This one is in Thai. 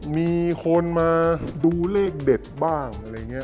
มีคนมาดูเลขเด็ดบ้างอะไรอย่างนี้